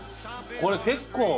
これ結構。